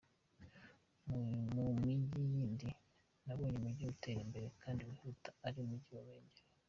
Mu migi yindi nabonye umugi utera imbere kandi wihuta ari umugi wa Ruhengeri.